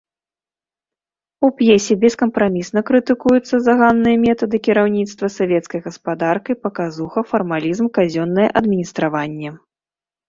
У п'есе бескампрамісна крытыкуюцца заганныя метады кіраўніцтва савецкай гаспадаркай, паказуха, фармалізм, казённае адміністраванне.